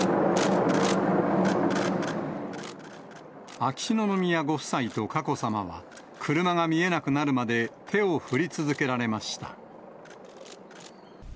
秋篠宮ご夫妻と佳子さまは、車が見えなくなるまで手を振り続けられました。